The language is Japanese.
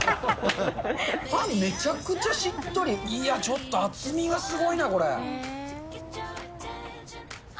パン、めちゃくちゃしっとり、いや、厚みがすごいな、これ。